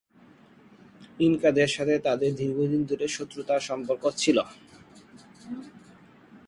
ইনকাদের সাথে তাদের দীর্ঘদিন ধরে শত্রুতার সম্পর্ক ছিল।